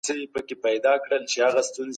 آیا تعلیم د فرد په شخصیت باندې تاثیر لري؟